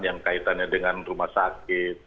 yang kaitannya dengan rumah sakit